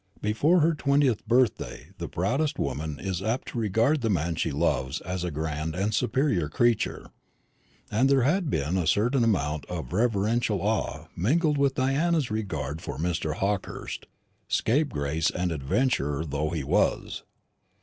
Before her twentieth birthday, the proudest woman is apt to regard the man she loves as a grand and superior creature; and there had been a certain amount of reverential awe mingled with Diana's regard for Mr. Hawkehurst, scapegrace and adventurer though he was.